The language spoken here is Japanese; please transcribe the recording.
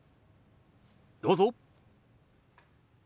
どうぞ。